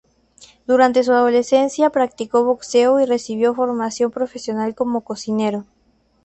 Durante su adolescencia practicó boxeo y recibió formación profesional como cocinero.